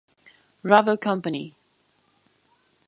Rubber Company.